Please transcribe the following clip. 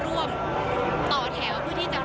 ตอนนี้เป็นครั้งหนึ่งครั้งหนึ่ง